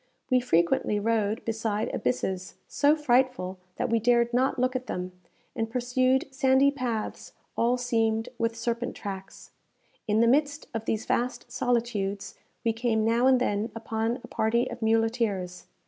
We frequently rode beside abysses so frightful that we dared not look at them, and pursued sandy paths all seamed with serpent tracks. In the midst of these vast solitudes, we came now and then upon a party of muleteers.